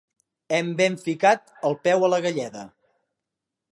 Hem ben ficat el peu a la galleda.